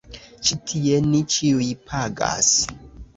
Ĉi tie ni ĉiuj pagas.